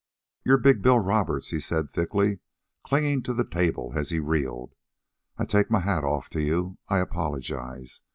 "You're Big Bill Roberts," he said thickly, clinging to the table as he reeled. "I take my hat off to you. I apologize.